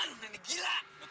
lu tua nggak berdiri